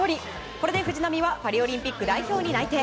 これで藤波はパリオリンピック代表に内定。